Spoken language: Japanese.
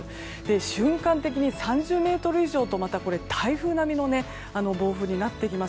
瞬間的に３０メートル以上と台風並みの暴風になります。